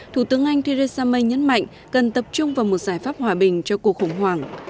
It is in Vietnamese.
thủ tướng anh theresa may nhấn mạnh cần tập trung vào một giải pháp hòa bình cho cuộc khủng hoảng